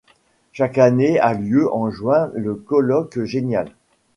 Chaque année a lieu en juin le Colloque Genial.